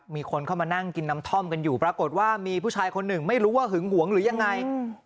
มีคนเข้ามานั่งกินน้ำท่อมกันอยู่ปรากฏว่ามีผู้ชายคนหนึ่งไม่รู้ว่าหึงหวงหรือยังไง